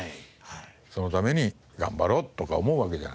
そのために頑張ろうとか思うわけじゃないですか。